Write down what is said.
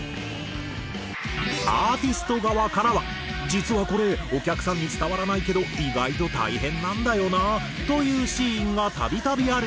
アーティスト側からは実はこれお客さんに伝わらないけど意外と大変なんだよなというシーンが度々あるという。